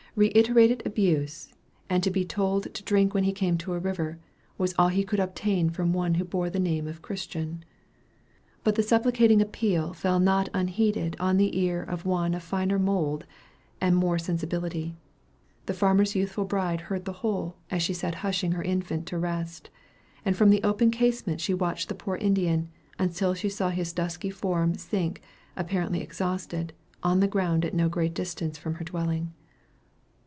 Reiterated abuse, and to be told to drink when he came to a river, was all he could obtain from one who bore the name of Christian! But the supplicating appeal fell not unheeded on the ear of one of finer mould and more sensibility. The farmer's youthful bride heard the whole, as she sat hushing her infant to rest; and from the open casement she watched the poor Indian until she saw his dusky form sink, apparently exhausted, on the ground at no great distance from her dwelling.